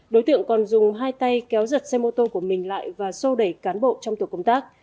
đối tượng còn dùng hai tay kéo giật xe mô tô của mình lại và sô đẩy cán bộ trong tổ công tác